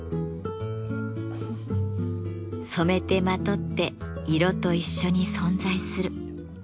染めてまとって色と一緒に存在する。